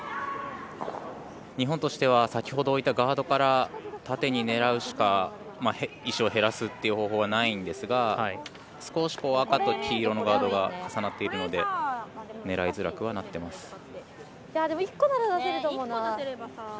日本としては先ほど置いたガードから縦に狙うしか石を減らす方法はないんですが少し赤と黄色のガードが重なっているので狙いづらくはなっています。